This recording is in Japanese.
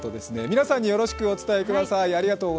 皆さんによろしくお伝えください。